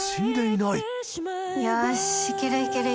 よし！